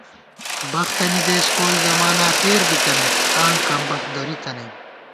بختَنی دېس کول زماناتېر بِتنَئیت آں کمبخت دریتَنَئیم